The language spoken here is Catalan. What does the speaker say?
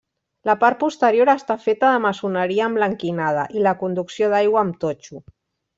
La part posterior està feta de maçoneria emblanquinada i la conducció d'aigua amb totxo.